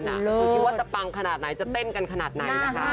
คือคิดว่าจะปังขนาดไหนจะเต้นกันขนาดไหนนะคะ